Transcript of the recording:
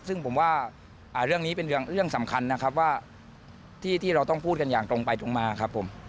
ซึ่งผมว่าเรื่องนี้เป็นเรื่องสำคัญนะครับว่าที่เราต้องพูดกันอย่างตรงไปตรงมาครับผม